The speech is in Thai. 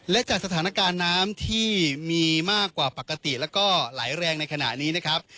และจากสถานการณ์น้ำที่มีมากกว่าปกติแล้วก็ไหลแรงในขณะนี้นะครับ